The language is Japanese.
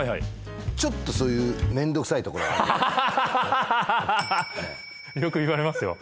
ちょっとそういうめんどくさいところあるよねハハハハハハよく言われますよ